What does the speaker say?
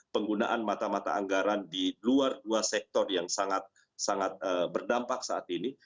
penggunaan mata mata anggaran di luar dua sektor yang sangat sangat berdampak saat ini